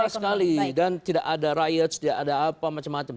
sama sekali dan tidak ada rights tidak ada apa macam macam